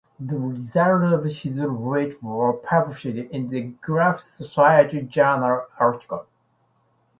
The results of his research were published in the "Galpin Society Journal" article.